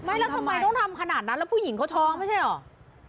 แล้วทำไมต้องทำขนาดนั้นแล้วผู้หญิงเขาท้องไม่ใช่เหรอ